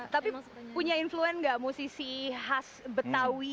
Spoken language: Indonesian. tapi punya influence gak musisi khas betawi